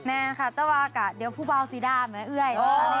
แน่นค่ะแต่ว่าก่อเดี๋ยวผู้บ่าวซีด้ามาเอ่ย